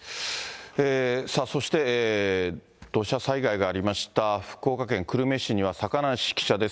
そして土砂災害がありました福岡県久留米市には坂梨記者です。